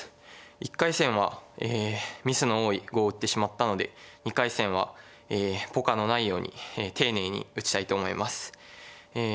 １回戦はミスの多い碁を打ってしまったので２回戦はポカのないように丁寧に打ちたいと思います。